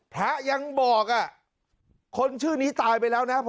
พระยังบอกคนชื่อนี้ตายไปแล้วนะ